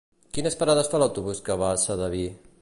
Quines parades fa l'autobús que va a Sedaví?